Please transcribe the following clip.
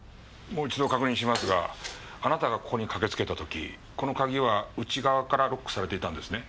もう一度確認しますがあなたがここに駆けつけた時この鍵は内側からロックされていたんですね？